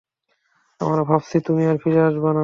আমরা ভাবছি তুমি আর ফিরে আসবা না।